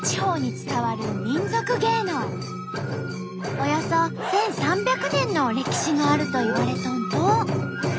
およそ１，３００年の歴史があるといわれとんと。